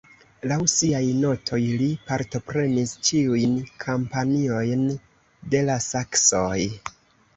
Laŭ siaj notoj li partoprenis ĉiujn kampanjojn de la saksoj.